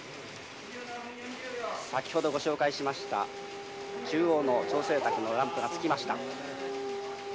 先ほどご紹介しました中央の調整卓のランプがつきました。